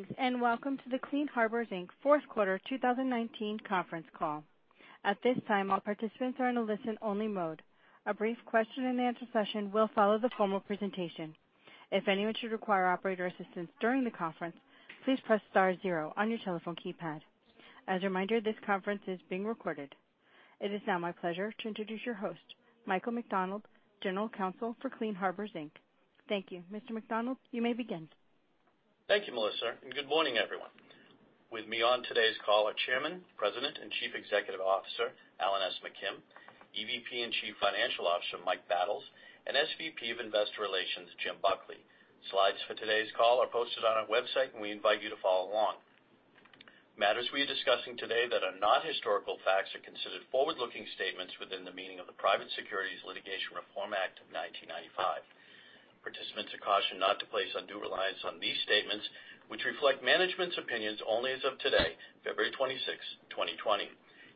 Greetings, welcome to the Clean Harbors Inc fourth quarter 2019 conference call. At this time, all participants are in a listen-only mode. A brief question and answer session will follow the formal presentation. If anyone should require operator assistance during the conference, please press star zero on your telephone keypad. As a reminder, this conference is being recorded. It is now my pleasure to introduce your host, Michael McDonald, General Counsel for Clean Harbors Inc. Thank you. Mr. McDonald, you may begin. Thank you, Melissa. Good morning, everyone. With me on today's call are Chairman, President, and Chief Executive Officer, Alan S. McKim, EVP and Chief Financial Officer, Mike Battles, and SVP of Investor Relations, Jim Buckley. Slides for today's call are posted on our website, and we invite you to follow along. Matters we are discussing today that are not historical facts are considered forward-looking statements within the meaning of the Private Securities Litigation Reform Act of 1995. Participants are cautioned not to place undue reliance on these statements, which reflect management's opinions only as of today, February 26, 2020.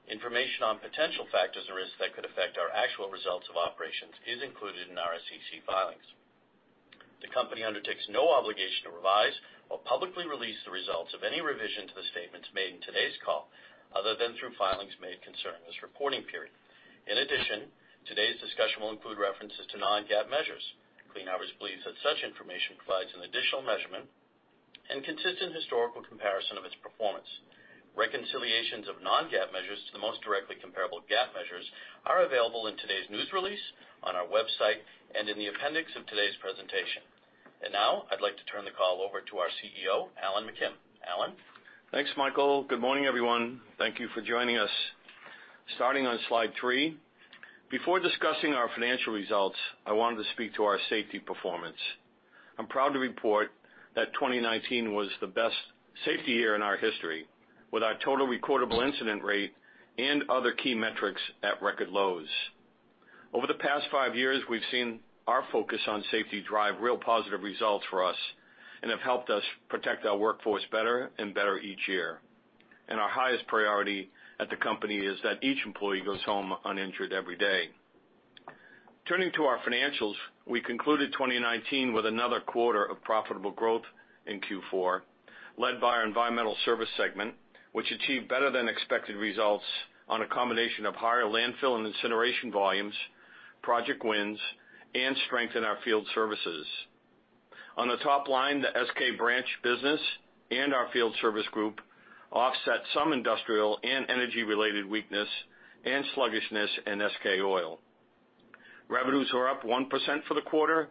Information on potential factors or risks that could affect our actual results of operations is included in our SEC filings. The company undertakes no obligation to revise or publicly release the results of any revision to the statements made in today's call, other than through filings made concerning this reporting period. In addition, today's discussion will include references to non-GAAP measures. Clean Harbors believes that such information provides an additional measurement and consistent historical comparison of its performance. Reconciliations of non-GAAP measures to the most directly comparable GAAP measures are available in today's news release, on our website, and in the appendix of today's presentation. Now, I'd like to turn the call over to our CEO, Alan McKim. Alan? Thanks, Michael. Good morning, everyone. Thank you for joining us. Starting on slide three. Before discussing our financial results, I wanted to speak to our safety performance. I'm proud to report that 2019 was the best safety year in our history, with our total recordable incident rate and other key metrics at record lows. Over the past five years, we've seen our focus on safety drive real positive results for us and have helped us protect our workforce better and better each year. Our highest priority at the company is that each employee goes home uninjured every day. Turning to our financials, we concluded 2019 with another quarter of profitable growth in Q4, led by our Environmental Service segment, which achieved better than expected results on a combination of higher landfill and incineration volumes, project wins, and strength in our field services. On the top line, the SK Branch business and our field service group offset some industrial and energy-related weakness and sluggishness in SK Oil. Revenues were up 1% for the quarter.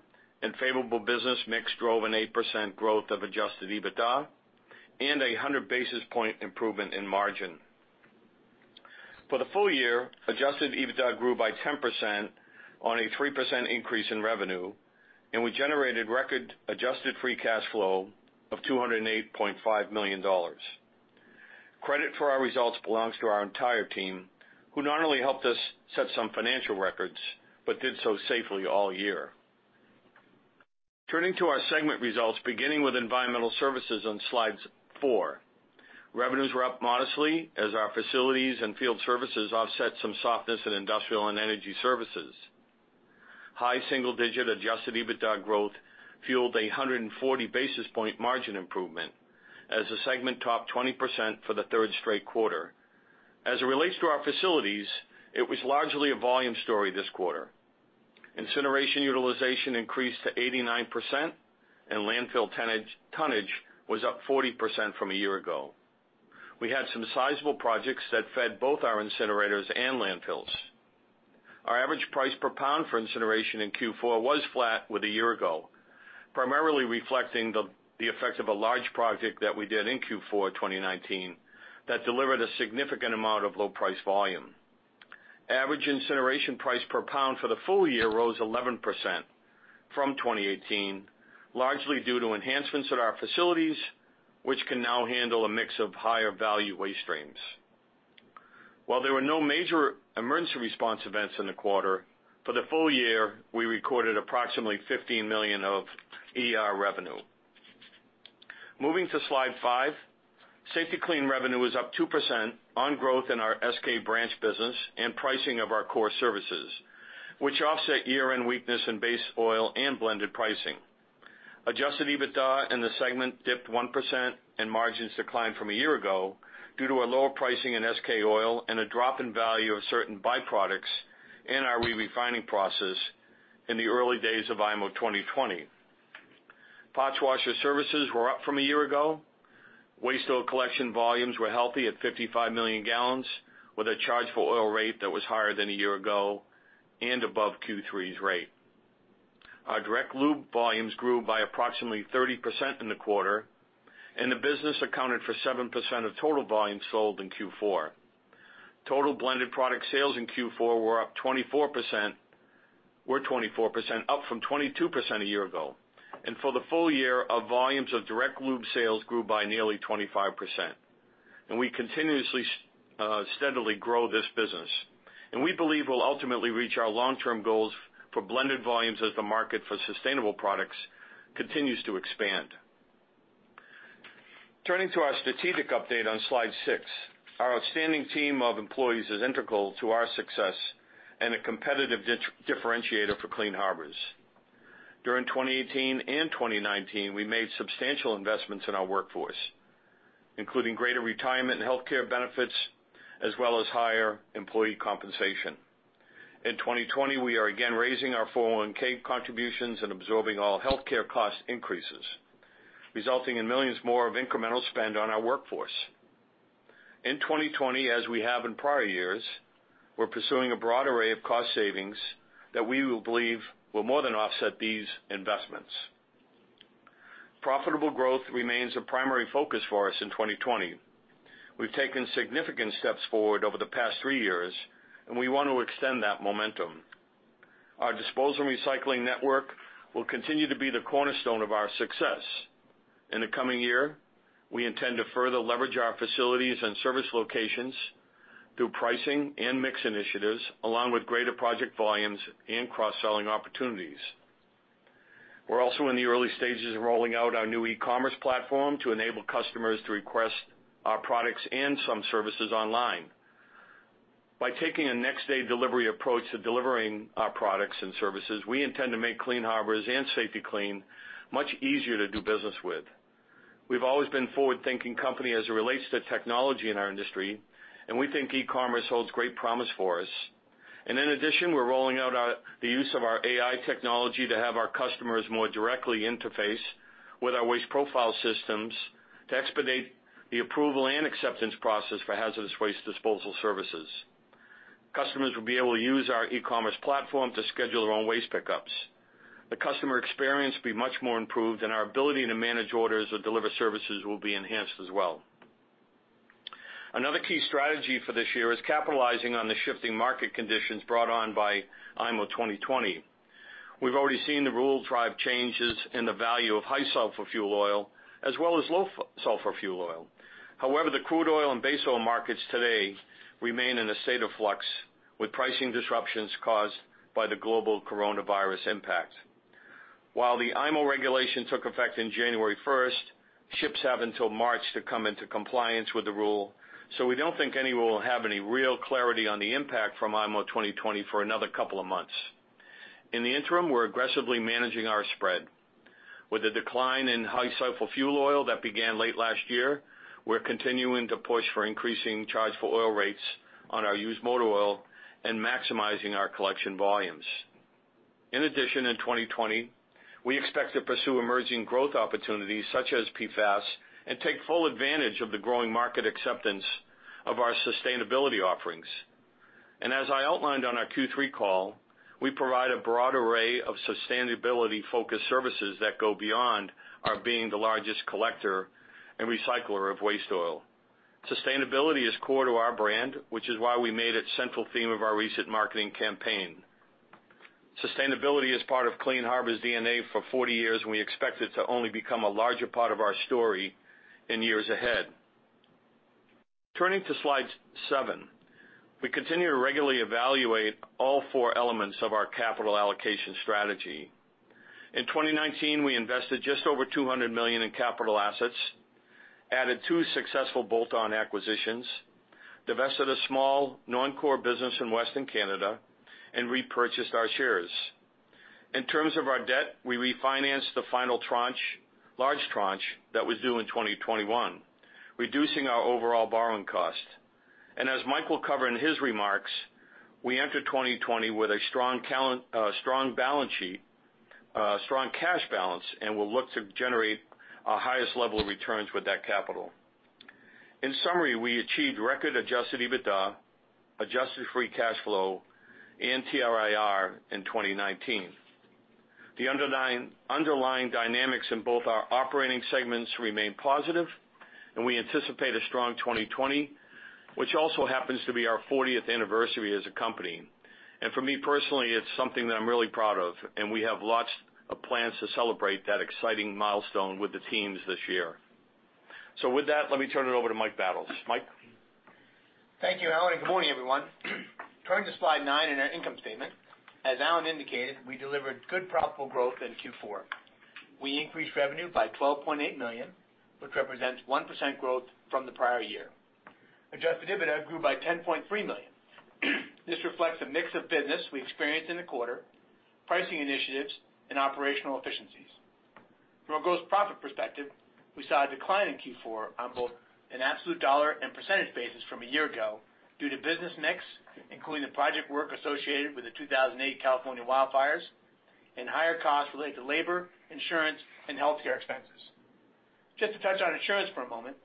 Favorable business mix drove an 8% growth of adjusted EBITDA and a 100 basis point improvement in margin. For the full year, adjusted EBITDA grew by 10% on a 3% increase in revenue, and we generated record adjusted free cash flow of $208.5 million. Credit for our results belongs to our entire team, who not only helped us set some financial records, but did so safely all year. Turning to our segment results, beginning with environmental services on slide four. Revenues were up modestly as our facilities and field services offset some softness in industrial and energy services. High single-digit adjusted EBITDA growth fueled a 140 basis point margin improvement as the segment topped 20% for the third straight quarter. As it relates to our facilities, it was largely a volume story this quarter. Incineration utilization increased to 89%, and landfill tonnage was up 40% from a year ago. We had some sizable projects that fed both our incinerators and landfills. Our average price per pound for incineration in Q4 was flat with a year ago, primarily reflecting the effect of a large project that we did in Q4 2019 that delivered a significant amount of low-price volume. Average incineration price per pound for the full year rose 11% from 2018, largely due to enhancements at our facilities, which can now handle a mix of higher value waste streams. While there were no major emergency response events in the quarter, for the full year, we recorded approximately $15 million of ER revenue. Moving to slide 5. Safety-Kleen revenue was up 2% on growth in our SK Branch business and pricing of our core services, which offset year-end weakness in base oil and blended pricing. Adjusted EBITDA in the segment dipped 1%, and margins declined from a year ago due to a lower pricing in SK Oil and a drop in value of certain byproducts in our re-refining process in the early days of IMO 2020. Parts washer services were up from a year ago. Waste oil collection volumes were healthy at 55 million gallons, with a chargeable oil rate that was higher than a year ago and above Q3's rate. Our direct lube volumes grew by approximately 30% in the quarter, and the business accounted for 7% of total volume sold in Q4. Total blended product sales in Q4 were up 24%, up from 22% a year ago. For the full year, our volumes of direct lube sales grew by nearly 25%. We continuously, steadily grow this business. We believe we'll ultimately reach our long-term goals for blended volumes as the market for sustainable products continues to expand. Turning to our strategic update on Slide 6. Our outstanding team of employees is integral to our success and a competitive differentiator for Clean Harbors. During 2018 and 2019, we made substantial investments in our workforce, including greater retirement and healthcare benefits as well as higher employee compensation. In 2020, we are again raising our 401 contributions and absorbing all healthcare cost increases, resulting in millions more of incremental spend on our workforce. In 2020, as we have in prior years, we're pursuing a broad array of cost savings that we believe will more than offset these investments. Profitable growth remains a primary focus for us in 2020. We've taken significant steps forward over the past three years, and we want to extend that momentum. Our disposal and recycling network will continue to be the cornerstone of our success. In the coming year, we intend to further leverage our facilities and service locations through pricing and mix initiatives, along with greater project volumes and cross-selling opportunities. We're also in the early stages of rolling out our new e-commerce platform to enable customers to request our products and some services online. By taking a next-day delivery approach to delivering our products and services, we intend to make Clean Harbors and Safety-Kleen much easier to do business with. We've always been a forward-thinking company as it relates to technology in our industry, and we think e-commerce holds great promise for us. In addition, we're rolling out the use of our AI technology to have our customers more directly interface with our waste profile systems to expedite the approval and acceptance process for hazardous waste disposal services. Customers will be able to use our e-commerce platform to schedule their own waste pickups. The customer experience will be much more improved, and our ability to manage orders or deliver services will be enhanced as well. Another key strategy for this year is capitalizing on the shifting market conditions brought on by IMO 2020. We've already seen the rule drive changes in the value of high sulfur fuel oil as well as low sulfur fuel oil. The crude oil and base oil markets today remain in a state of flux, with pricing disruptions caused by the global coronavirus impact. While the IMO regulation took effect in January 1st, ships have until March to come into compliance with the rule. We don't think anyone will have any real clarity on the impact from IMO 2020 for another couple of months. In the interim, we're aggressively managing our spread. With a decline in high sulfur fuel oil that began late last year, we're continuing to push for increasing charge-for-oil rates on our used motor oil and maximizing our collection volumes. In addition, in 2020, we expect to pursue emerging growth opportunities such as PFAS and take full advantage of the growing market acceptance of our sustainability offerings. As I outlined on our Q3 call, we provide a broad array of sustainability focus services that go beyond our being the largest collector and recycler of waste oil. Sustainability is core to our brand, which is why we made it a central theme of our recent marketing campaign. Sustainability is part of Clean Harbors' DNA for 40 years, and we expect it to only become a larger part of our story in years ahead. Turning to slide seven. We continue to regularly evaluate all four elements of our capital allocation strategy. In 2019, we invested just over $200 million in capital assets, added two successful bolt-on acquisitions, divested a small non-core business in Western Canada, and repurchased our shares. In terms of our debt, we refinanced the final tranche, large tranche, that was due in 2021, reducing our overall borrowing cost. As Mike will cover in his remarks, we enter 2020 with a strong cash balance and will look to generate our highest level of returns with that capital. In summary, we achieved record adjusted EBITDA, adjusted free cash flow, and TRIR in 2019. The underlying dynamics in both our operating segments remain positive, we anticipate a strong 2020, which also happens to be our 40th anniversary as a company. For me personally, it's something that I'm really proud of, and we have lots of plans to celebrate that exciting milestone with the teams this year. With that, let me turn it over to Mike Battles. Mike? Thank you, Alan, good morning, everyone. Turning to slide nine in our income statement, as Alan indicated, we delivered good profitable growth in Q4. We increased revenue by $12.8 million, which represents 1% growth from the prior year. Adjusted EBITDA grew by $10.3 million. This reflects a mix of business we experienced in the quarter, pricing initiatives, and operational efficiencies. From a gross profit perspective, we saw a decline in Q4 on both an absolute dollar and percentage basis from a year ago due to business mix, including the project work associated with the 2008 California wildfires and higher costs related to labor, insurance, and healthcare expenses. Just to touch on insurance for a moment,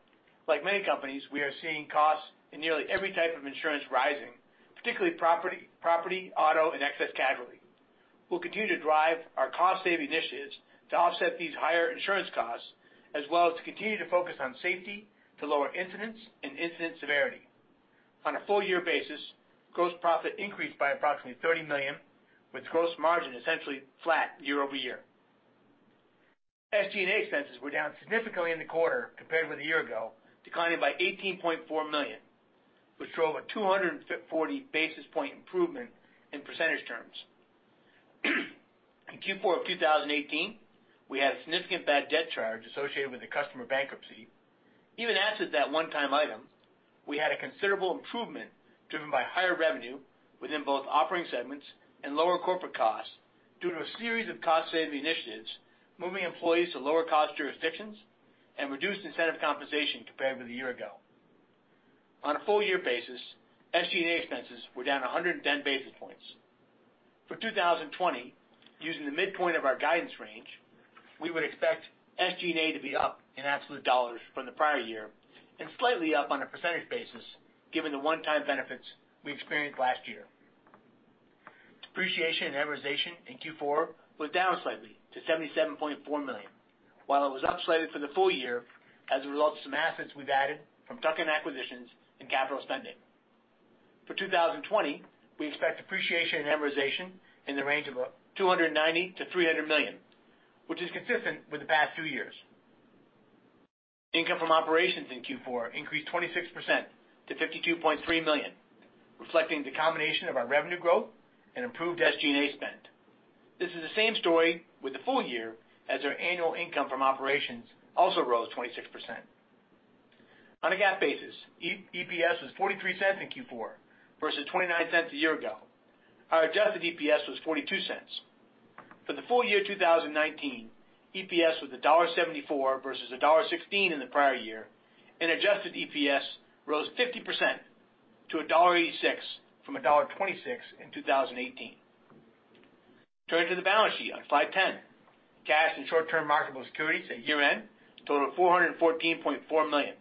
like many companies, we are seeing costs in nearly every type of insurance rising, particularly property, auto, and excess casualty. We'll continue to drive our cost-saving initiatives to offset these higher insurance costs, as well as to continue to focus on safety to lower incidents and incident severity. On a full-year basis, gross profit increased by approximately $30 million, with gross margin essentially flat year-over-year. SG&A expenses were down significantly in the quarter compared with a year ago, declining by $18.4 million, which drove a 240-basis point improvement in percentage terms. In Q4 of 2018, we had a significant bad debt charge associated with the customer bankruptcy. Even after that one-time item, we had a considerable improvement driven by higher revenue within both operating segments and lower corporate costs due to a series of cost-saving initiatives, moving employees to lower cost jurisdictions, and reduced incentive compensation compared with a year ago. On a full-year basis, SG&A expenses were down 110 basis points. For 2020, using the midpoint of our guidance range, we would expect SG&A to be up in absolute dollars from the prior year, and slightly up on a percentage basis, given the one-time benefits we experienced last year. Depreciation and amortization in Q4 was down slightly to $77.4 million, while it was up slightly for the full year as a result of some assets we've added from tuck-in acquisitions and capital spending. For 2020, we expect depreciation and amortization in the range of $290 million-$300 million, which is consistent with the past two years. Income from operations in Q4 increased 26% to $52.3 million, reflecting the combination of our revenue growth and improved SG&A spend. This is the same story with the full year as our annual income from operations also rose 26%. On a GAAP basis, EPS was $0.43 in Q4 versus $0.29 a year ago. Our adjusted EPS was $0.42. For the full year 2019, EPS was $1.74 versus $1.16 in the prior year, and adjusted EPS rose 50% to $1.86 from $1.26 in 2018. Turning to the balance sheet on slide 10. Cash and short-term marketable securities at year-end total $414.4 million,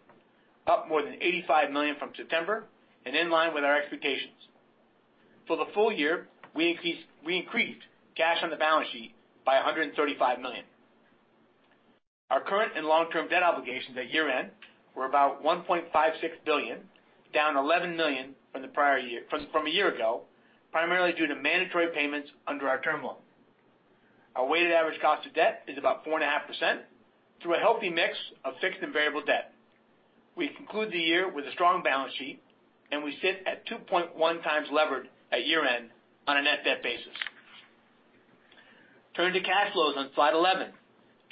up more than $85 million from September and in line with our expectations. For the full year, we increased cash on the balance sheet by $135 million. Our current and long-term debt obligations at year-end were about $1.56 billion, down $11 million from a year ago, primarily due to mandatory payments under our term loan. Our weighted average cost of debt is about 4.5% through a healthy mix of fixed and variable debt. We conclude the year with a strong balance sheet. We sit at 2.1x levered at year-end on a net debt basis. Turning to cash flows on slide 11.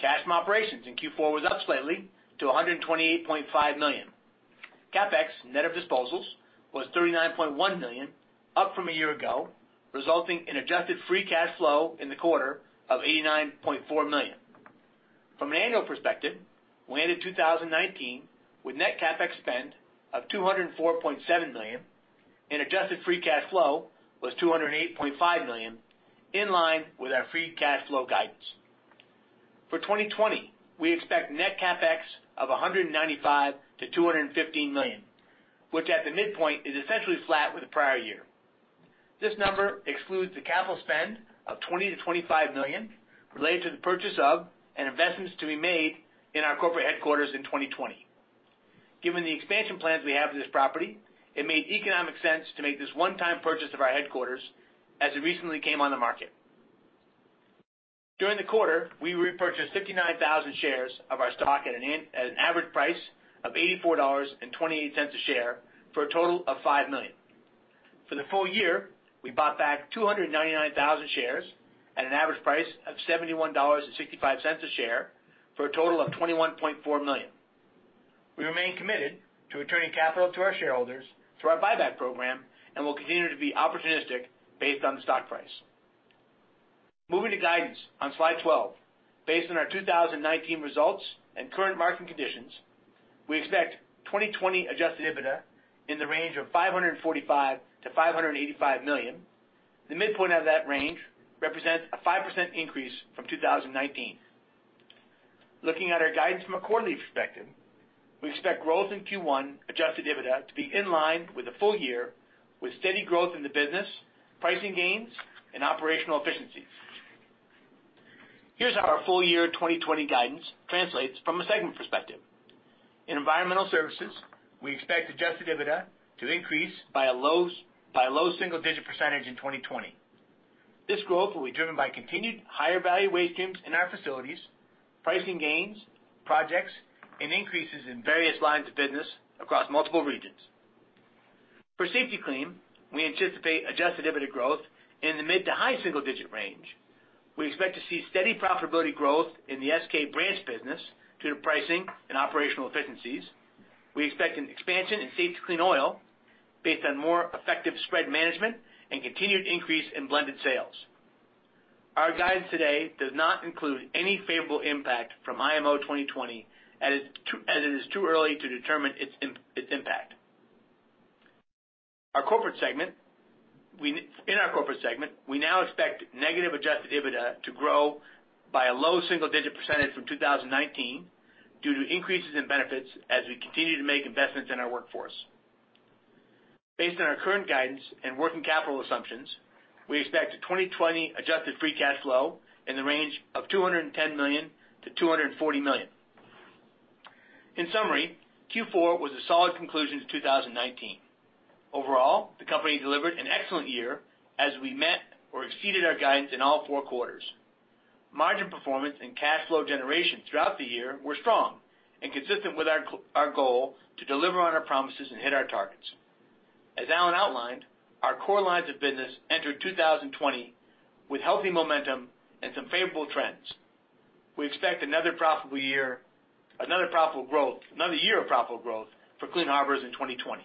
Cash from operations in Q4 was up slightly to $128.5 million. CapEx net of disposals was $39.1 million, up from a year ago, resulting in adjusted free cash flow in the quarter of $89.4 million. From an annual perspective, we ended 2019 with net CapEx spend of $204.7 million and adjusted free cash flow was $208.5 million, in line with our free cash flow guidance. For 2020, we expect net CapEx of $195 million-$215 million, which at the midpoint is essentially flat with the prior year. This number excludes the capital spend of $20 million-$25 million related to the purchase of and investments to be made in our corporate headquarters in 2020. Given the expansion plans we have for this property, it made economic sense to make this one-time purchase of our headquarters as it recently came on the market. During the quarter, we repurchased 59,000 shares of our stock at an average price of $84.28 a share for a total of $5 million. For the full year, we bought back 299,000 shares at an average price of $71.65 a share for a total of $21.4 million. We remain committed to returning capital to our shareholders through our buyback program and will continue to be opportunistic based on the stock price. Moving to guidance on slide 12. Based on our 2019 results and current market conditions, we expect 2020 adjusted EBITDA in the range of $545 million-$585 million. The midpoint of that range represents a 5% increase from 2019. Looking at our guidance from a quarterly perspective, we expect growth in Q1 adjusted EBITDA to be in line with the full year, with steady growth in the business, pricing gains, and operational efficiency. Here's how our full year 2020 guidance translates from a segment perspective. In Environmental Services, we expect adjusted EBITDA to increase by a low single-digit percentage in 2020. This growth will be driven by continued higher value waste streams in our facilities, pricing gains, projects, and increases in various lines of business across multiple regions. For Safety-Kleen, we anticipate adjusted EBITDA growth in the mid to high single-digit range. We expect to see steady profitability growth in the SK Brands business due to pricing and operational efficiencies. We expect an expansion in Safety-Kleen Oil based on more effective spread management and continued increase in blended sales. Our guidance today does not include any favorable impact from IMO 2020 as it is too early to determine its impact. In our corporate segment, we now expect negative adjusted EBITDA to grow by a low single-digit percentage from 2019 due to increases in benefits as we continue to make investments in our workforce. Based on our current guidance and working capital assumptions, we expect a 2020 adjusted free cash flow in the range of $210 million-$240 million. In summary, Q4 was a solid conclusion to 2019. Overall, the company delivered an excellent year as we met or exceeded our guidance in all four quarters. Margin performance and cash flow generation throughout the year were strong and consistent with our goal to deliver on our promises and hit our targets. As Alan outlined, our core lines of business entered 2020 with healthy momentum and some favorable trends. We expect another year of profitable growth for Clean Harbors in 2020.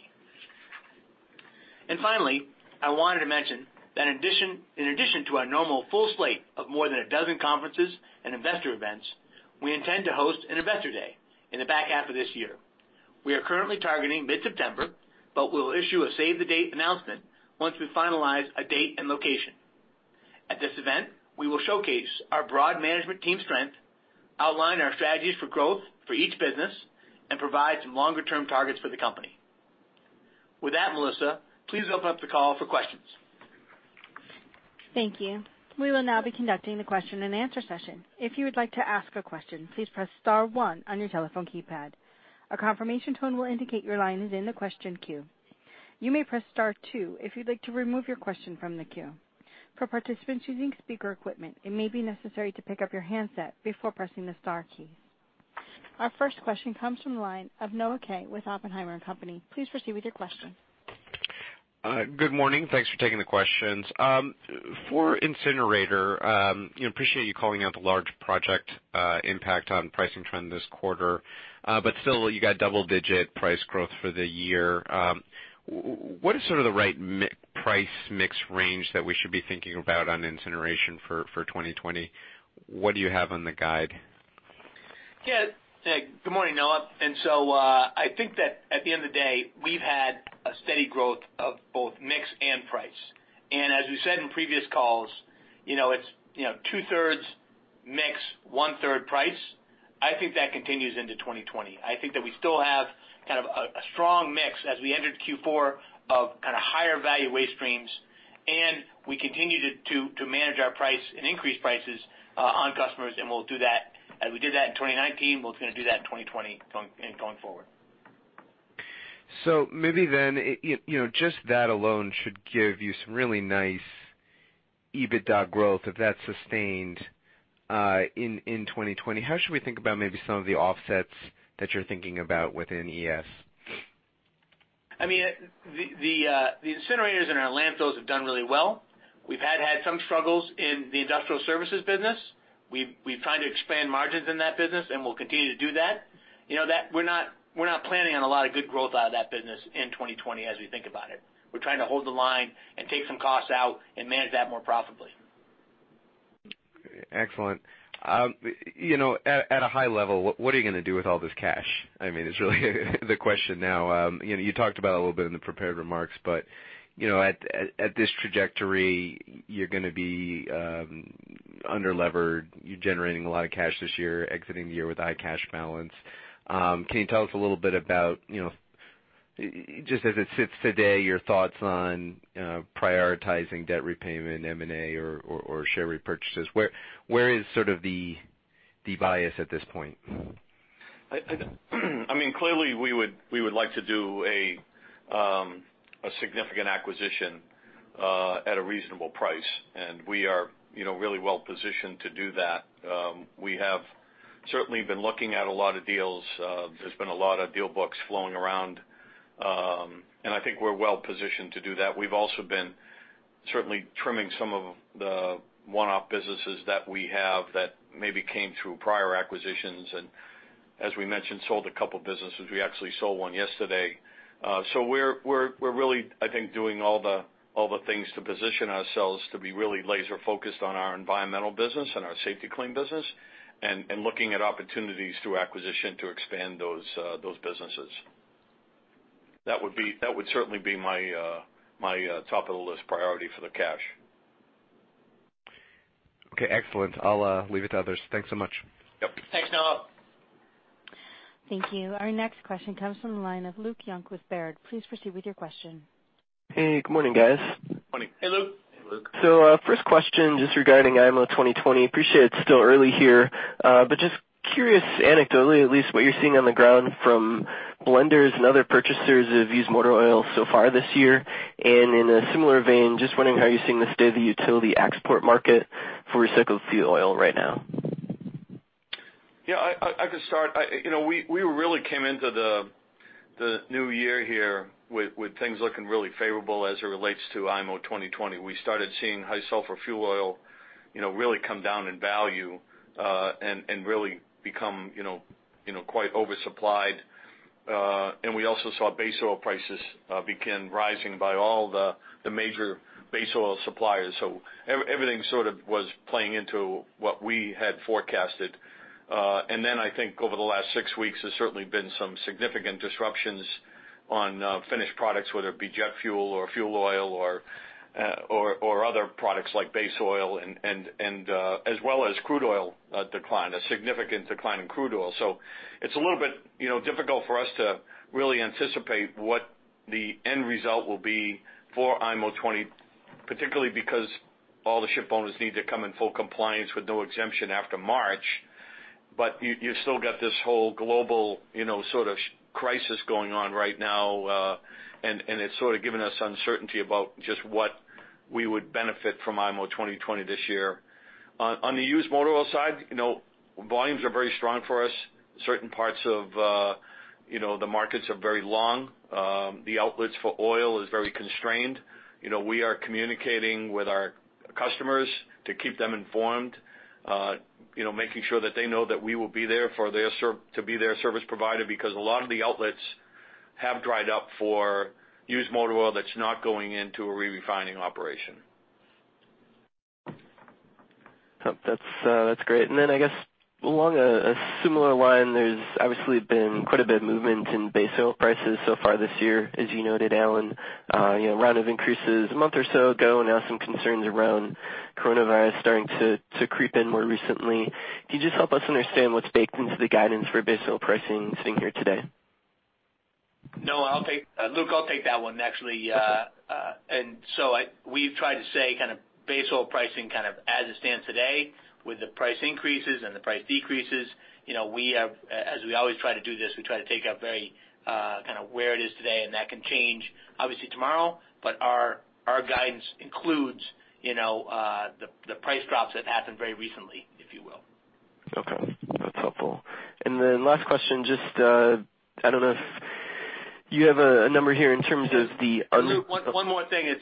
Finally, I wanted to mention that in addition to our normal full slate of more than a dozen conferences and investor events, we intend to host an investor day in the back half of this year. We are currently targeting mid-September, but we'll issue a save the date announcement once we finalize a date and location. At this event, we will showcase our broad management team strength, outline our strategies for growth for each business, and provide some longer-term targets for the company. With that, Melissa, please open up the call for questions. Thank you. We will now be conducting the question and answer session. If you would like to ask a question, please press star one on your telephone keypad. A confirmation tone will indicate your line is in the question queue. You may press star two if you'd like to remove your question from the queue. For participants using speaker equipment, it may be necessary to pick up your handset before pressing the star key. Our first question comes from the line of Noah Kaye with Oppenheimer & Co. Please proceed with your question. Good morning. Thanks for taking the questions. For incinerator, appreciate you calling out the large project impact on pricing trend this quarter. Still, you got double-digit price growth for the year. What is sort of the right price mix range that we should be thinking about on incineration for 2020? What do you have on the guide? Good morning, Noah. I think that at the end of the day, we've had a steady growth of both mix and price. As we said in previous calls, it's two-thirds mix, one-third price. I think that continues into 2020. I think that we still have kind of a strong mix as we entered Q4 of kind of higher value waste streams, and we continue to manage our price and increase prices on customers. We'll do that as we did that in 2019. We're just going to do that in 2020 going forward. Maybe then, just that alone should give you some really nice EBITDA growth if that's sustained in 2020. How should we think about maybe some of the offsets that you're thinking about within ES? The incinerators and our landfills have done really well. We've had some struggles in the industrial services business. We've tried to expand margins in that business, and we'll continue to do that. We're not planning on a lot of good growth out of that business in 2020 as we think about it. We're trying to hold the line and take some costs out and manage that more profitably. Excellent. At a high level, what are you going to do with all this cash? I mean, it's really the question now. You talked about it a little bit in the prepared remarks, at this trajectory, you're going to be under-levered. You're generating a lot of cash this year, exiting the year with a high cash balance. Can you tell us a little bit about, just as it sits today, your thoughts on prioritizing debt repayment, M&A, or share repurchases? Where is sort of the bias at this point? Clearly, we would like to do a significant acquisition at a reasonable price, and we are really well-positioned to do that. We have certainly been looking at a lot of deals. There's been a lot of deal books flowing around. I think we're well-positioned to do that. We've also been certainly trimming some of the one-off businesses that we have that maybe came through prior acquisitions and, as we mentioned, sold a couple businesses. We actually sold one yesterday. We're really, I think, doing all the things to position ourselves to be really laser-focused on our environmental business and our Safety-Kleen business and looking at opportunities through acquisition to expand those businesses. That would certainly be my top-of-the-list priority for the cash. Okay, excellent. I'll leave it to others. Thanks so much. Yep. Thanks, Noah. Thank you. Our next question comes from the line of Luke Junk with Baird. Please proceed with your question. Hey, good morning, guys. Morning. Hey, Luke. Hey, Luke. First question just regarding IMO 2020. Appreciate it's still early here. Just curious anecdotally, at least what you're seeing on the ground from blenders and other purchasers of used motor oil so far this year. In a similar vein, just wondering how you're seeing the state of the utility export market for recycled fuel oil right now. Yeah, I could start. We really came into the new year here with things looking really favorable as it relates to IMO 2020. We started seeing high sulfur fuel oil really come down in value and really become quite oversupplied. We also saw base oil prices begin rising by all the major base oil suppliers. Everything sort of was playing into what we had forecasted. I think over the last 6 weeks, there's certainly been some significant disruptions on finished products, whether it be jet fuel or fuel oil or other products like base oil and as well as crude oil decline, a significant decline in crude oil. It's a little bit difficult for us to really anticipate what the end result will be for IMO 2020, particularly because all the ship owners need to come in full compliance with no exemption after March. You still got this whole global sort of crisis going on right now. It's sort of given us uncertainty about just what. We would benefit from IMO 2020 this year. On the used motor oil side, volumes are very strong for us. Certain parts of the markets are very long. The outlets for oil is very constrained. We are communicating with our customers to keep them informed, making sure that they know that we will be there to be their service provider, because a lot of the outlets have dried up for used motor oil that's not going into a re-refining operation. That's great. I guess along a similar line, there's obviously been quite a bit of movement in base oil prices so far this year, as you noted, Alan. A round of increases a month or so ago, now some concerns around coronavirus starting to creep in more recently. Can you just help us understand what's baked into the guidance for base oil pricing sitting here today? No. Luke, I'll take that one, actually. Okay. We've tried to say base oil pricing as it stands today, with the price increases and the price decreases. As we always try to do this, we try to take a very where it is today, and that can change, obviously, tomorrow. Our guidance includes the price drops that happened very recently, if you will. Okay. That's helpful. Then last question, just I don't know if you have a number here in terms of. Luke, one more thing.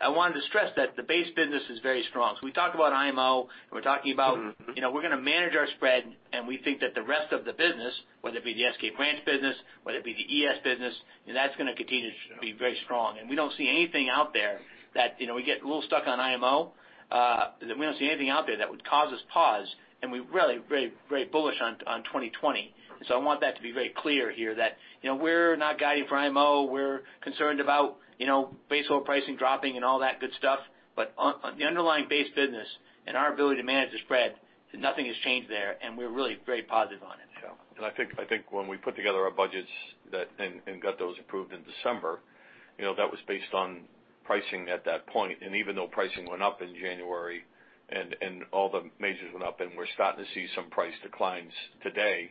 I wanted to stress that the base business is very strong. We talk about IMO, and we're talking about we're going to manage our spread, and we think that the rest of the business, whether it be the SK Brands business, whether it be the ES business, that's going to continue to be very strong. We don't see anything out there that We get a little stuck on IMO, that we don't see anything out there that would cause us pause, and we're really very bullish on 2020. I want that to be very clear here that, we're not guiding for IMO. We're concerned about base oil pricing dropping and all that good stuff. The underlying base business and our ability to manage the spread, nothing has changed there, and we're really very positive on it. Yeah. I think when we put together our budgets and got those approved in December, that was based on pricing at that point. Even though pricing went up in January and all the majors went up, and we're starting to see some price declines today,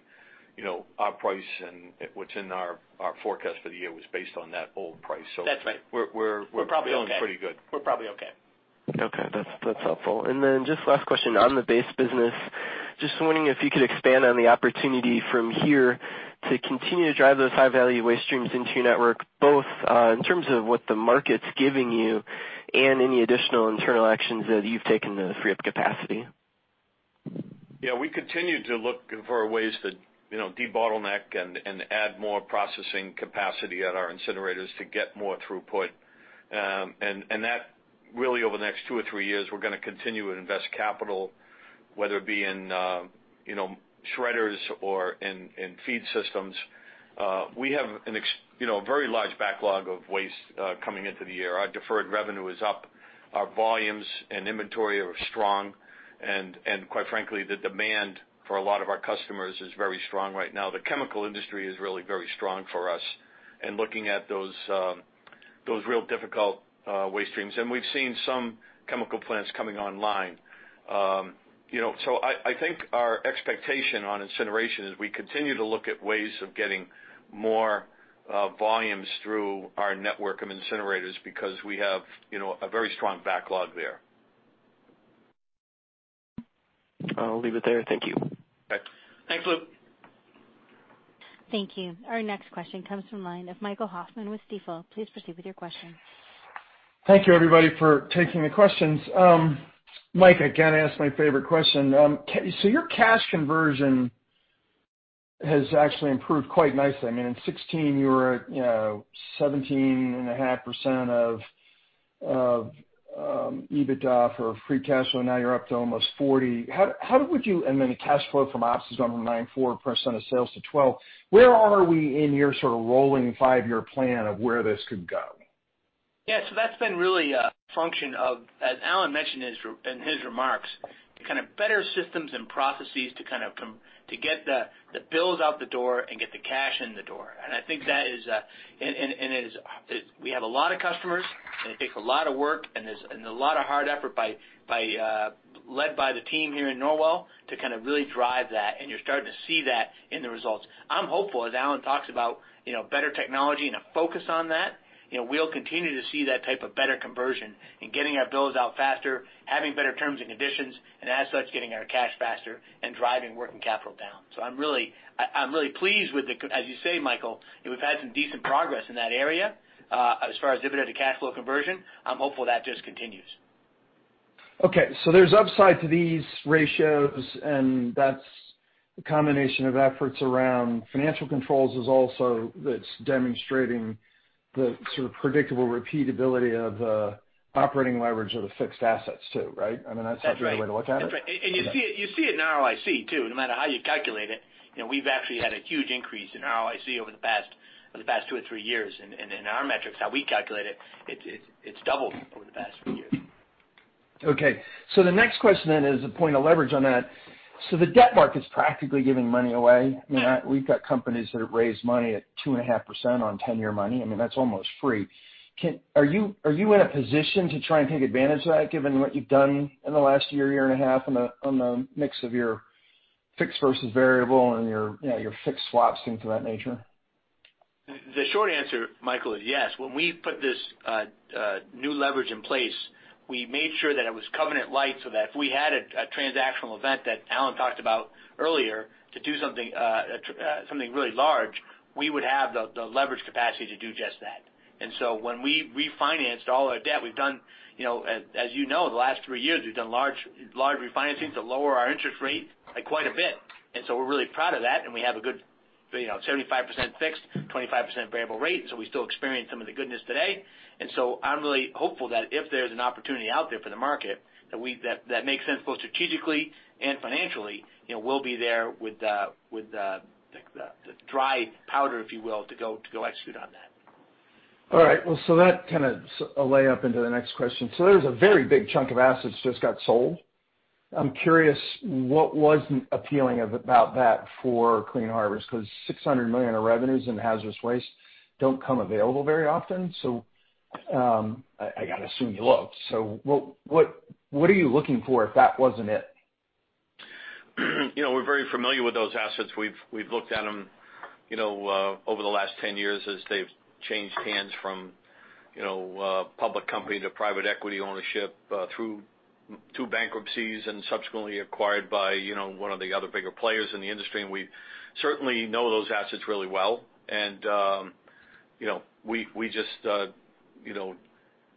our price and what's in our forecast for the year was based on that old price. That's right. We're- We're probably okay. feeling pretty good. We're probably okay. Okay. That's helpful. Just last question on the base business. Just wondering if you could expand on the opportunity from here to continue to drive those high-value waste streams into your network, both in terms of what the market's giving you and any additional internal actions that you've taken to free up capacity. We continue to look for ways to de-bottleneck and add more processing capacity at our incinerators to get more throughput. That really over the next two or three years, we're going to continue to invest capital, whether it be in shredders or in feed systems. We have a very large backlog of waste coming into the year. Our deferred revenue is up. Our volumes and inventory are strong. Quite frankly, the demand for a lot of our customers is very strong right now. The chemical industry is really very strong for us in looking at those real difficult waste streams. We've seen some chemical plants coming online. I think our expectation on incineration is we continue to look at ways of getting more volumes through our network of incinerators because we have a very strong backlog there. I'll leave it there. Thank you. Okay. Thanks, Luke. Thank you. Our next question comes from the line of Michael Hoffman with Stifel. Please proceed with your question. Thank you, everybody, for taking the questions. Mike, I got to ask my favorite question. Your cash conversion has actually improved quite nicely. I mean, in 2016, you were at 17.5% of EBITDA for free cash flow. Now you're up to almost 40%. The cash flow from ops is up from 9.4% of sales to 12%. Where are we in your sort of rolling 5-year plan of where this could go? That's been really a function of, as Alan mentioned in his remarks, to kind of better systems and processes to get the bills out the door and get the cash in the door. We have a lot of customers, and it takes a lot of work and a lot of hard effort led by the team here in Norwell to really drive that, and you're starting to see that in the results. I'm hopeful, as Alan talks about better technology and a focus on that, we'll continue to see that type of better conversion in getting our bills out faster, having better terms and conditions, and as such, getting our cash faster and driving working capital down. I'm really pleased with the, as you say, Michael, we've had some decent progress in that area. As far as EBITDA to cash flow conversion, I'm hopeful that just continues. Okay. There's upside to these ratios, and that's a combination of efforts around financial controls is also that's demonstrating the sort of predictable repeatability of operating leverage of the fixed assets, too, right? That's right. the right way to look at it? That's right. You see it in ROIC, too, no matter how you calculate it. We've actually had a huge increase in ROIC over the past two or three years. In our metrics, how we calculate it's doubled over the past few years. Okay. The next question then is a point of leverage on that. The debt market's practically giving money away. We've got companies that have raised money at 2.5% on 10-year money. I mean, that's almost free. Are you in a position to try and take advantage of that, given what you've done in the last year and a half on the mix of your fixed versus variable and your fixed swaps, things of that nature? The short answer, Michael, is yes. When we put this new leverage in place, we made sure that it was covenant light so that if we had a transactional event that Alan talked about earlier to do something really large, we would have the leverage capacity to do just that. When we refinanced all our debt, as you know, the last three years, we've done large refinancing to lower our interest rate by quite a bit. We're really proud of that, and we have a good 75% fixed, 25% variable rate, so we still experience some of the goodness today. I'm really hopeful that if there's an opportunity out there for the market that makes sense both strategically and financially, we'll be there with the dry powder, if you will, to go execute on that. All right. Well, that kind of lay up into the next question. There's a very big chunk of assets just got sold. I'm curious what wasn't appealing about that for Clean Harbors, because $600 million of revenues in hazardous waste don't come available very often. I got to assume you looked. What are you looking for if that wasn't it? We're very familiar with those assets. We've looked at them over the last 10 years as they've changed hands from a public company to private equity ownership through two bankruptcies and subsequently acquired by one of the other bigger players in the industry, and we certainly know those assets really well.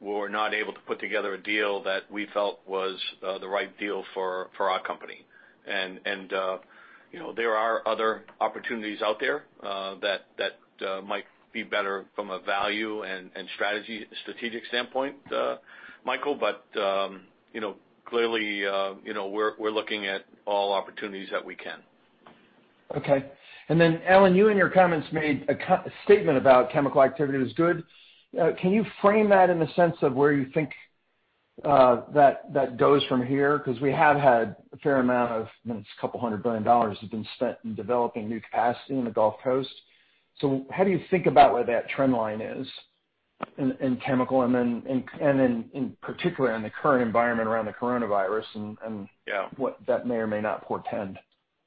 We were not able to put together a deal that we felt was the right deal for our company. There are other opportunities out there that might be better from a value and strategic standpoint, Michael, but clearly, we're looking at all opportunities that we can. Okay. Alan, you in your comments made a statement about chemical activity was good. Can you frame that in the sense of where you think that goes from here? We have had a fair amount of, it's a couple of hundred billion dollars that's been spent in developing new capacity in the Gulf Coast. How do you think about where that trend line is in chemical, and then in particular in the current environment around the coronavirus. Yeah. What that may or may not portend?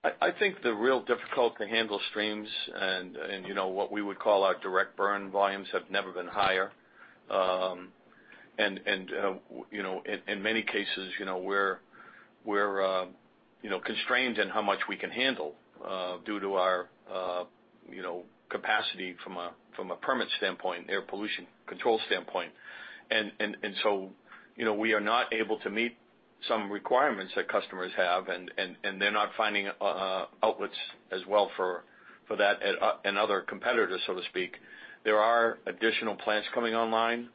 I think the real difficult to handle streams and what we would call our direct burn volumes have never been higher. In many cases, we're constrained in how much we can handle due to our capacity from a permit standpoint, air pollution control standpoint. We are not able to meet some requirements that customers have, and they're not finding outlets as well for that in other competitors, so to speak. There are additional plants coming online.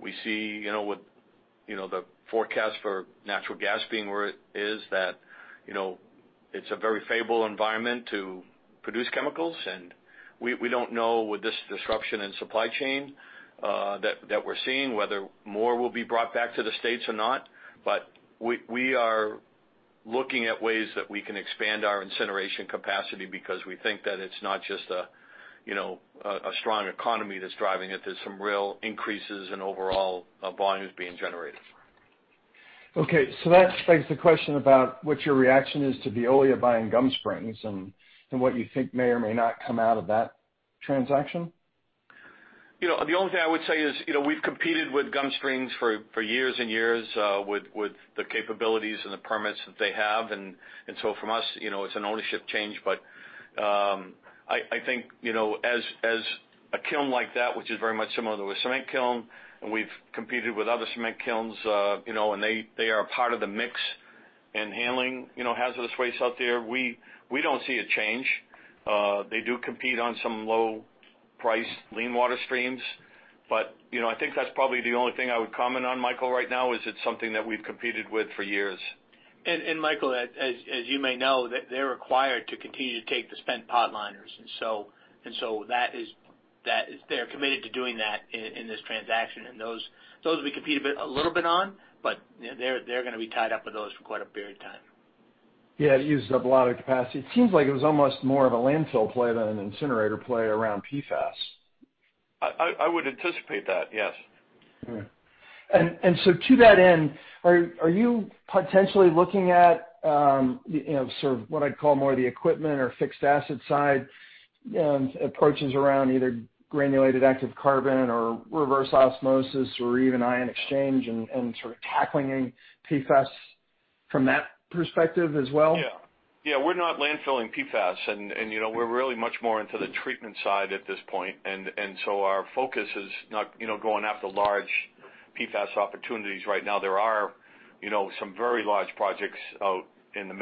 We see with the forecast for natural gas being where it is, that it's a very favorable environment to produce chemicals. We don't know with this disruption in supply chain that we're seeing, whether more will be brought back to the States or not. We are looking at ways that we can expand our incineration capacity because we think that it's not just a strong economy that's driving it. There's some real increases in overall volumes being generated. Okay. That begs the question about what your reaction is to Veolia buying Gum Springs and what you think may or may not come out of that transaction. The only thing I would say is we've competed with Gum Springs for years and years with the capabilities and the permits that they have, and so from us, it's an ownership change. I think as a kiln like that, which is very much similar to a cement kiln, and we've competed with other cement kilns, and they are a part of the mix in handling hazardous waste out there. We don't see a change. They do compete on some low-priced lean water streams. I think that's probably the only thing I would comment on, Michael, right now, is it's something that we've competed with for years. Michael, as you may know, they're required to continue to take the spent pot liners. They're committed to doing that in this transaction. Those, we compete a little bit on, but they're going to be tied up with those for quite a period of time. Yeah, it used up a lot of capacity. It seems like it was almost more of a landfill play than an incinerator play around PFAS. I would anticipate that, yes. All right. To that end, are you potentially looking at sort of what I'd call more the equipment or fixed asset side approaches around either granular activated carbon or reverse osmosis or even ion exchange and sort of tackling PFAS from that perspective as well? Yeah. We're not landfilling PFAS, and we're really much more into the treatment side at this point. Our focus is not going after large PFAS opportunities right now. There are some very large projects out in the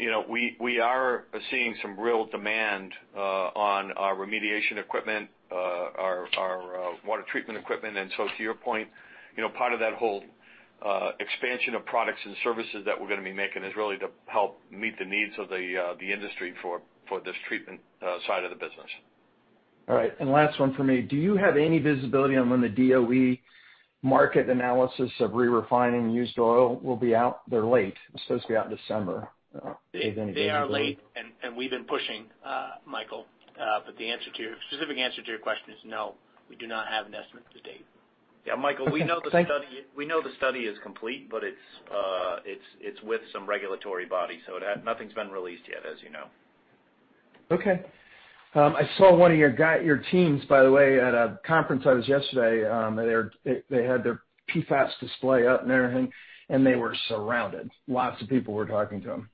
Midwest and in other markets that we're seeing. We are seeing some real demand on our remediation equipment, our water treatment equipment. To your point, part of that whole expansion of products and services that we're going to be making is really to help meet the needs of the industry for this treatment side of the business. All right. Last one from me. Do you have any visibility on when the DOE market analysis of re-refining used oil will be out? They're late. It's supposed to be out in December. Do you have any visibility on that? They are late, and we've been pushing, Michael, but the specific answer to your question is no, we do not have an estimate to date. Yeah, Michael, we know the study is complete, but it's with some regulatory body, so nothing's been released yet, as you know. Okay. I saw one of your teams, by the way, at a conference I was at yesterday. They had their PFAS display up and everything, and they were surrounded. Lots of people were talking to them.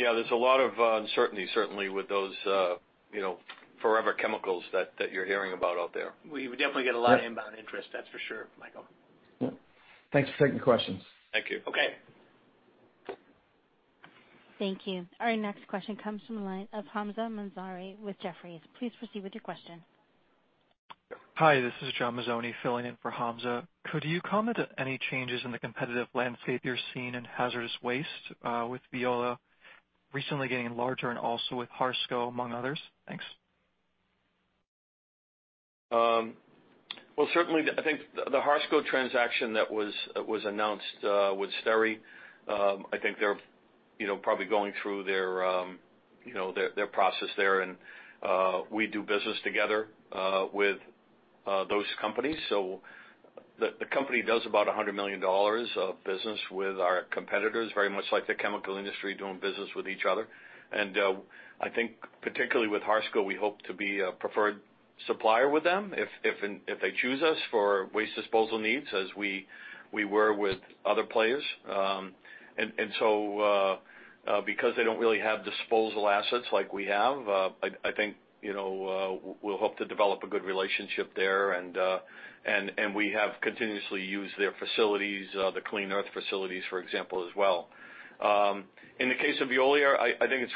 Yeah, there's a lot of uncertainty, certainly, with those forever chemicals that you're hearing about out there. We definitely get a lot of inbound interest, that's for sure, Michael. Yeah. Thanks for taking the questions. Thank you. Okay. Thank you. Our next question comes from the line of Hamza Mazari with Jefferies. Please proceed with your question. Hi, this is John Mazzoni filling in for Hamza. Could you comment on any changes in the competitive landscape you're seeing in hazardous waste, with Veolia recently getting larger and also with Harsco among others? Thanks. Well, certainly, I think the Harsco transaction that was announced with Stericycle, I think they're probably going through their process there. We do business together with those companies. The company does about $100 million of business with our competitors, very much like the chemical industry doing business with each other. I think particularly with Harsco, we hope to be a preferred supplier with them if they choose us for waste disposal needs, as we were with other players. Because they don't really have disposal assets like we have, I think we'll hope to develop a good relationship there. We have continuously used their facilities, the Clean Earth facilities, for example, as well. In the case of Veolia, I think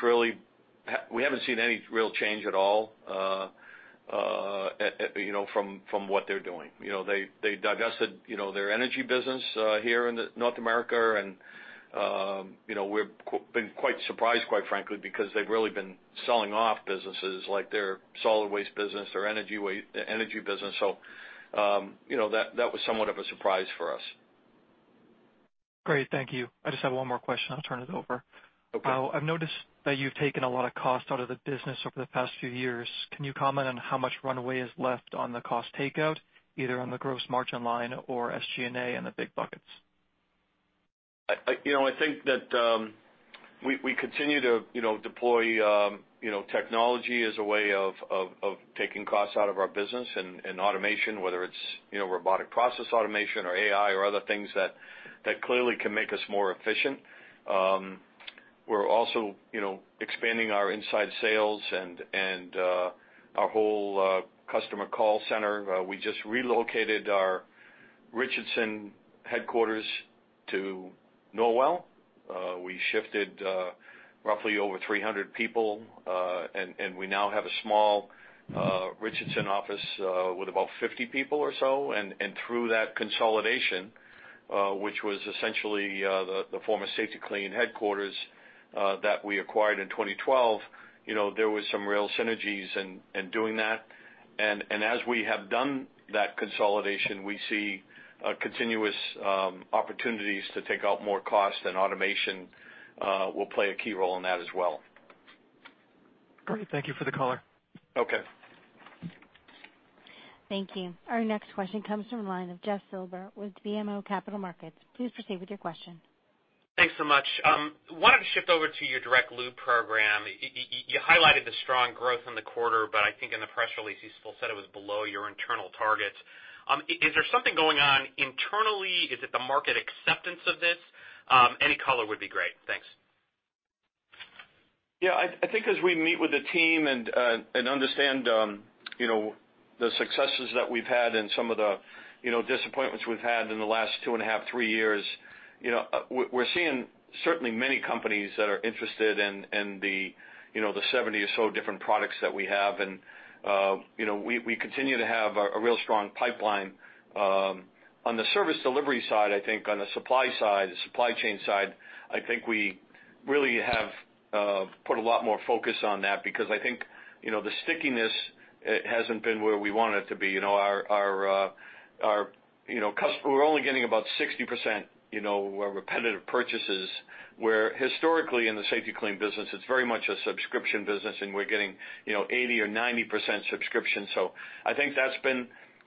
we haven't seen any real change at all from what they're doing. They divested their energy business here in North America. We've been quite surprised, quite frankly, because they've really been selling off businesses like their solid waste business, their energy business. That was somewhat of a surprise for us. Great. Thank you. I just have one more question, I'll turn it over. Okay. I've noticed that you've taken a lot of cost out of the business over the past few years. Can you comment on how much runway is left on the cost takeout, either on the gross margin line or SG&A in the big buckets? I think that we continue to deploy technology as a way of taking costs out of our business and automation, whether it's robotic process automation or AI or other things that clearly can make us more efficient. We're also expanding our inside sales and our whole customer call center. We just relocated our Richardson headquarters to Norwell. We shifted roughly over 300 people, and we now have a small Richardson office with about 50 people or so. Through that consolidation, which was essentially the former Safety-Kleen headquarters that we acquired in 2012, there was some real synergies in doing that. As we have done that consolidation, we see continuous opportunities to take out more cost, and automation will play a key role in that as well. Great. Thank you for the color. Okay. Thank you. Our next question comes from the line of Jeff Silber with BMO Capital Markets. Please proceed with your question. Thanks so much. Wanted to shift over to your direct lube program. You highlighted the strong growth in the quarter. I think in the press release you still said it was below your internal targets. Is there something going on internally? Is it the market acceptance of this? Any color would be great. Thanks. Yeah, I think as we meet with the team and understand the successes that we've had and some of the disappointments we've had in the last two and a half, three years, we're seeing certainly many companies that are interested in the 70 or so different products that we have. We continue to have a real strong pipeline. On the service delivery side, I think on the supply side, the supply chain side, I think we really have put a lot more focus on that because I think the stickiness hasn't been where we want it to be. We're only getting about 60% repetitive purchases, where historically in the Safety-Kleen business, it's very much a subscription business, and we're getting 80% or 90% subscription. I think that's been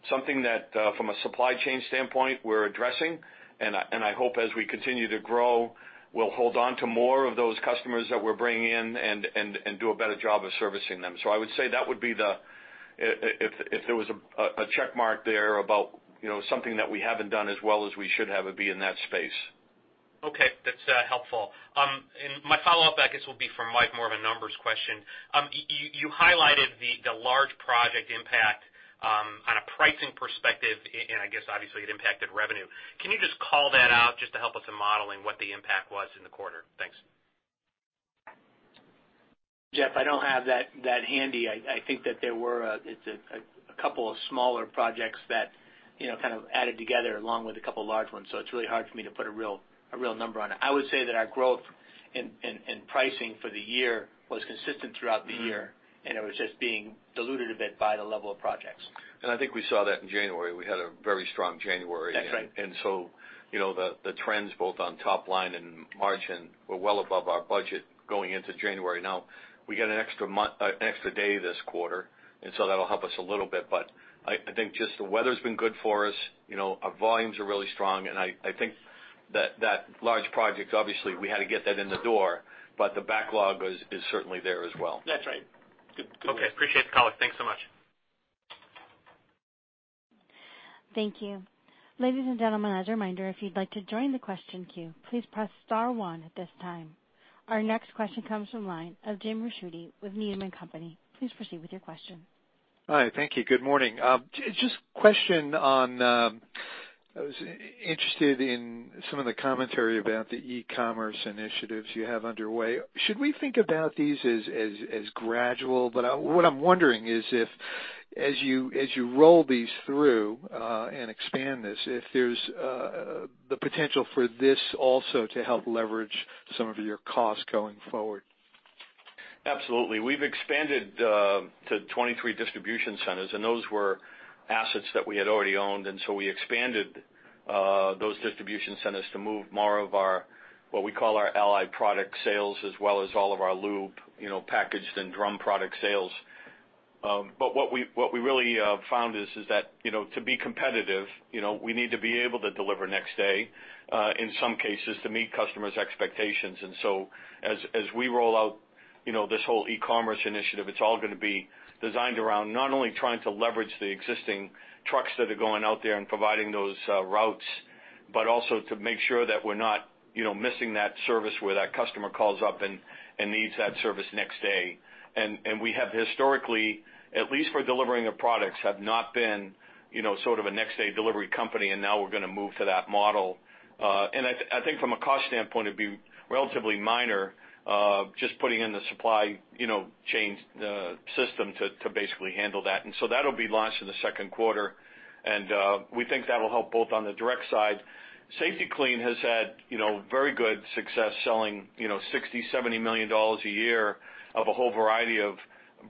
something that, from a supply chain standpoint, we're addressing, and I hope as we continue to grow, we'll hold on to more of those customers that we're bringing in and do a better job of servicing them. I would say that would be the, if there was a check mark there about something that we haven't done as well as we should have, it'd be in that space. Okay. That's helpful. My follow-up, I guess, will be for Mike, more of a numbers question. You highlighted the large project impact on a pricing perspective, and I guess obviously it impacted revenue. Can you just call that out just to help with the modeling, what the impact was in the quarter? Thanks. Jeff, I don't have that handy. I think that there were a couple of smaller projects that kind of added together along with a couple large ones. It's really hard for me to put a real number on it. I would say that our growth in pricing for the year was consistent throughout the year, and it was just being diluted a bit by the level of projects. I think we saw that in January. We had a very strong January. That's right. The trends both on top line and margin were well above our budget going into January. Now, we get an extra day this quarter, that'll help us a little bit, but I think just the weather's been good for us. Our volumes are really strong, and I think, that large project, obviously, we had to get that in the door, but the backlog is certainly there as well. That's right. Good. Okay, appreciate the call. Thanks so much. Thank you. Ladies and gentlemen, as a reminder, if you'd like to join the question queue, please press star one at this time. Our next question comes from the line of Jim Ricchiuti with Needham & Co. Please proceed with your question. Hi. Thank you. Good morning. I was interested in some of the commentary about the e-commerce initiatives you have underway. Should we think about these as gradual? What I'm wondering is if, as you roll these through, and expand this, if there's the potential for this also to help leverage some of your costs going forward. Absolutely. We've expanded to 23 distribution centers. Those were assets that we had already owned. We expanded those distribution centers to move more of our, what we call our allied product sales, as well as all of our lube, packaged and drum product sales. What we really found is that to be competitive, we need to be able to deliver next day, in some cases, to meet customers' expectations. As we roll out this whole e-commerce initiative, it's all going to be designed around not only trying to leverage the existing trucks that are going out there and providing those routes, but also to make sure that we're not missing that service where that customer calls up and needs that service next day. We have historically, at least for delivering of products, have not been sort of a next-day delivery company, and now we're going to move to that model. I think from a cost standpoint, it'd be relatively minor, just putting in the supply chain system to basically handle that. That'll be launched in the second quarter. We think that'll help both on the direct side. Safety-Kleen has had very good success selling $60 million-$70 million a year of a whole variety of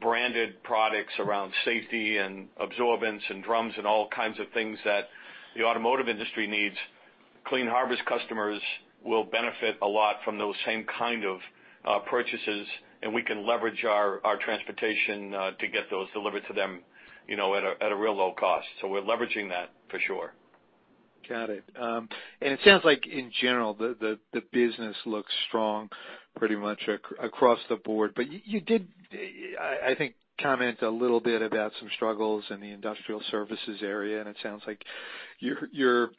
branded products around safety and absorbents and drums and all kinds of things that the automotive industry needs. Clean Harbors customers will benefit a lot from those same kind of purchases, and we can leverage our transportation to get those delivered to them at a real low cost. We're leveraging that for sure. Got it. It sounds like in general, the business looks strong pretty much across the board. But you did, I think, comment a little bit about some struggles in the industrial services area, and it sounds like you're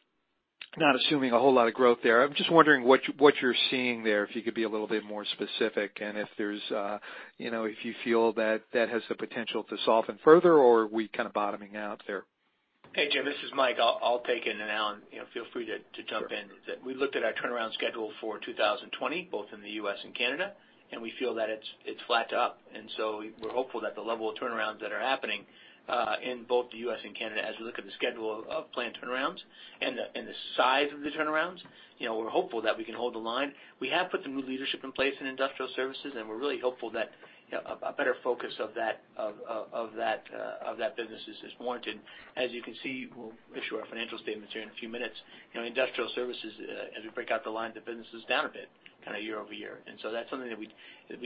not assuming a whole lot of growth there. I'm just wondering what you're seeing there, if you could be a little bit more specific and if you feel that that has the potential to soften further, or are we kind of bottoming out there? Hey, Jim, this is Mike. I'll take it, and Alan, feel free to jump in. We looked at our turnaround schedule for 2020, both in the U.S. and Canada. We feel that it's flat to up. We're hopeful that the level of turnarounds that are happening in both the U.S. and Canada, as we look at the schedule of planned turnarounds and the size of the turnarounds, we're hopeful that we can hold the line. We have put some new leadership in place in industrial services. We're really hopeful that a better focus of that business is warranted. As you can see, we'll issue our financial statements here in a few minutes. Industrial services, as we break out the lines of business, is down a bit year-over-year. That's something that we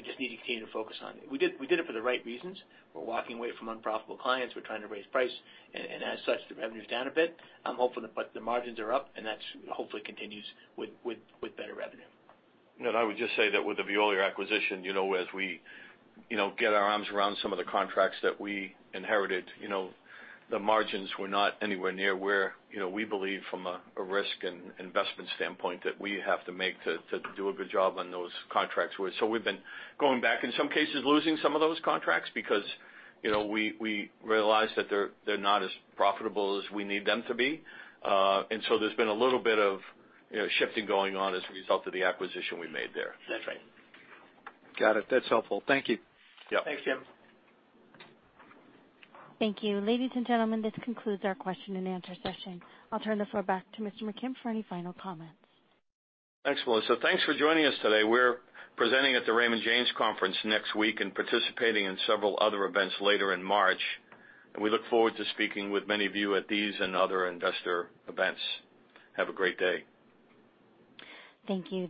just need to continue to focus on. We did it for the right reasons. We're walking away from unprofitable clients. We're trying to raise price, and as such, the revenue's down a bit. I'm hopeful that the margins are up, and that hopefully continues with better revenue. I would just say that with the Veolia acquisition, as we get our arms around some of the contracts that we inherited, the margins were not anywhere near where we believe from a risk and investment standpoint that we have to make to do a good job on those contracts. We've been going back, in some cases, losing some of those contracts because we realized that they're not as profitable as we need them to be. There's been a little bit of shifting going on as a result of the acquisition we made there. That's right. Got it. That's helpful. Thank you. Yeah. Thanks, Jim. Thank you. Ladies and gentlemen, this concludes our question and answer session. I'll turn the floor back to Mr. McKim for any final comments. Thanks, Melissa. Thanks for joining us today. We're presenting at the Raymond James Conference next week and participating in several other events later in March, and we look forward to speaking with many of you at these and other investor events. Have a great day. Thank you.